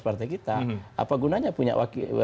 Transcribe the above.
partai kita apa gunanya punya